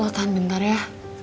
lo tahan bentar ya